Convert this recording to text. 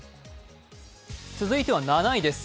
続いては７位です。